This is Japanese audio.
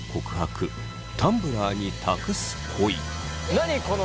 何この。